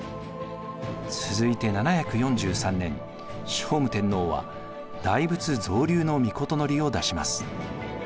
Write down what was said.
続いて７４３年聖武天皇は大仏造立の詔を出します。